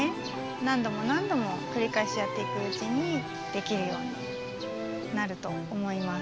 なんどもなんどもくりかえしやっていくうちにできるようになると思います。